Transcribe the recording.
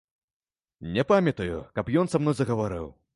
Не памятаю, каб ён са мною загаварыў.